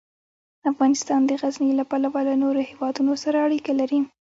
افغانستان د غزني له امله له نورو هېوادونو سره اړیکې لري.